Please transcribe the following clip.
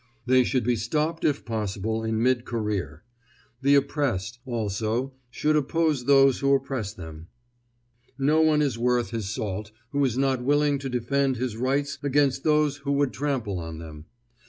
They should be stopped if possible in mid career. The oppressed, also, should oppose those who oppress them. No one is worth his salt who is not willing to defend his rights against those who would trample on them.